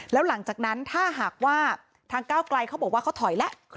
แล้วหลังจากนั้นถ้าหากว่าทางก้าวไกลเขาบอกว่าเขาถอยแล้ว